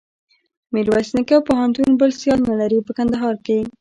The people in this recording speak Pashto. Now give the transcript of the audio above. میرویس نیکه پوهنتون بل سیال نلري په کندهار کښي.